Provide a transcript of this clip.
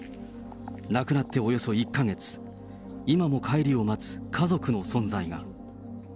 亡くなっておよそ１か月、今も帰りを待つ家族の存在が。